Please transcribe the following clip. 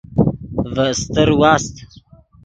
ڤے استر واست۔